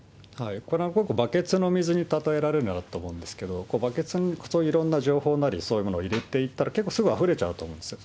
これは、バケツの水に例えられるなと思うんですけれども、バケツにいろんな情報なり、そういうものを入れていったら、結構すぐあふれちゃうと思うんです。